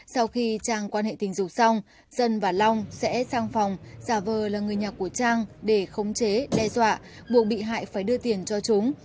sau khi trang quan hệ tình dục xong dân và long sẽ sang phòng giả vờ là người nhà của trang để khống chế đe dọa buộc bị hại phải đưa tiền cho chúng